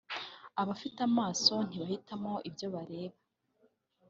abafite amaso ntibahitamo ibyo bareba